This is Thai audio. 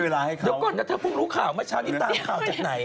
เดี๋ยวก่อนนะถ้าผมรู้ข่าวมาเช้านี้ตามข่าวจากไหน